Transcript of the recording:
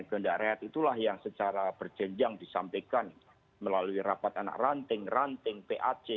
kehendak rakyat itulah yang secara berjenjang disampaikan melalui rapat anak ranting ranting pac